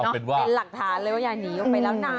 เป็นหลักฐานเลยว่าอย่าหนีออกไปแล้วนะ